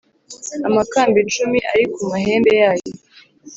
amakamba icumi ari ku mahembe yayo